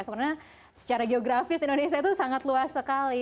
karena secara geografis indonesia itu sangat luas sekali